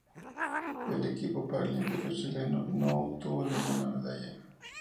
El equipo paralímpico chileno no obtuvo ninguna medalla.